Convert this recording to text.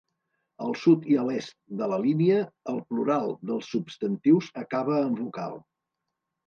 Al sud i a l'est de la línia, el plural dels substantius acaba en vocal.